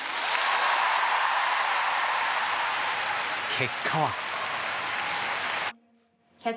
結果は。